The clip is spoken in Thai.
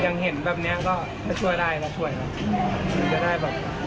ยังเห็นแบบนี้ก็ถ้าช่วยได้ก็ช่วย